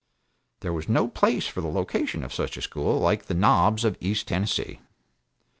There was no place for the location of such a school like the Knobs of East Tennessee.